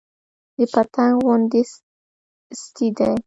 د پتنګ غوندې ستي دى